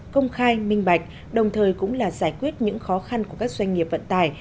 công khai minh bạch đồng thời cũng là giải quyết những khó khăn của các doanh nghiệp vận tải